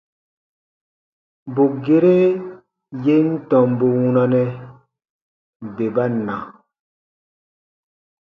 Bù gere yè n tɔmbu wunanɛ, bè ba na.